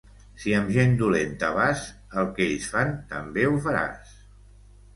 Si amb gent dolenta vas, el que ells fan també ho faràs.